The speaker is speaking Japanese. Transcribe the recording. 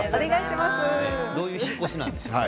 どういうお引っ越しなんですか？